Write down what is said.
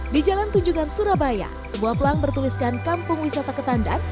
di jalan tunjungan surabaya sebuah pelang bertuliskan kampung wisata ketandan